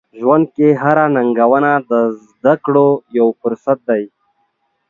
ژوند کې هره ننګونه د زده کړو یو فرصت دی.